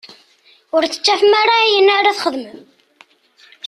Ur tettafem ara ayen ara txedmem.